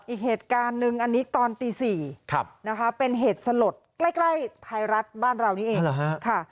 อีกเหตุการณ์นึงอันนี้ตอนตี๔นะคะเป็นเหตุสลดใกล้ไทยรัฐบ้านเรานี้เอง